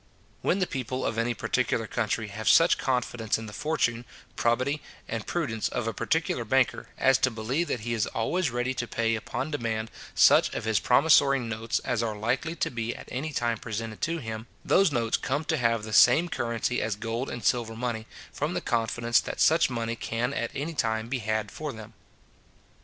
When the people of any particular country have such confidence in the fortune, probity and prudence of a particular banker, as to believe that he is always ready to pay upon demand such of his promissory notes as are likely to be at any time presented to him, those notes come to have the same currency as gold and silver money, from the confidence that such money can at any time be had for them.